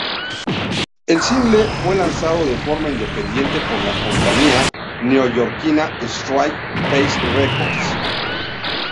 El single fue lanzado de forma independiente por la compañía neoyorquina, Straight Face Records.